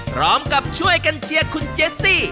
พร้อมกับช่วยกันเชียร์คุณเจสซี่